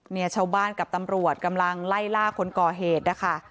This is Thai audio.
เนี่ยชาวบ้านกับตำรวจกำลังไล่ล่าคนก่อเหตุนะคะ